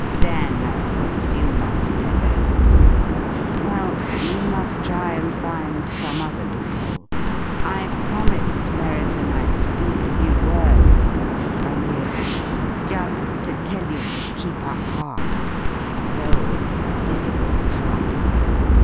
"Then, of course, you must know best. Well, we must try and find some other loophole. I promised Merriton I'd speak a few words to you, Miss Brellier, just to tell you to keep up heart though it's a difficult task.